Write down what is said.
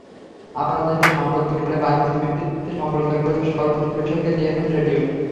আবার দেশে সাম্প্রতিক কালে বাণিজ্যিক ভিত্তিতে সম্প্রচার করছে শহরভিত্তিক বেসরকারি এফএম রেডিও।